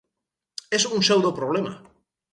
És un pseudoproblema.